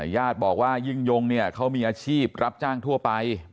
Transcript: ญาติบอกว่ายิ่งยงเนี่ยเขามีอาชีพรับจ้างทั่วไป